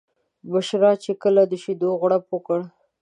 بشرا چې کله د شیدو غوړپ وکړ.